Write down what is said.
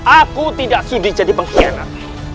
aku tidak sudi jadi pengkhianat